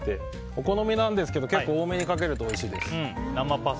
お好みなんですけど結構多めにかけるとおいしいです。